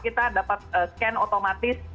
kita dapat scan otomatis